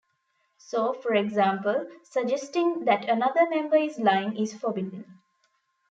So, for example, suggesting that another member is lying is forbidden.